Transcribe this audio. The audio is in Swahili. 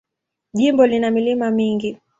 Jimbo lina milima mingi.